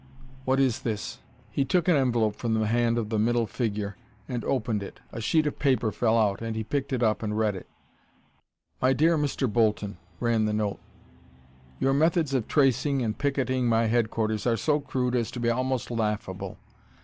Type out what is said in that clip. What is this?" He took an envelope from the hand of the middle figure and opened it. A sheet of paper fell out and he picked it up and read it. "My dear Mr. Bolton," ran the note. "Your methods of tracing and picketing my headquarters are so crude as to be almost laughable.